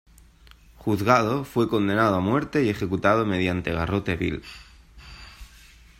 Juzgado, fue condenado a muerte y ejecutado mediante garrote vil.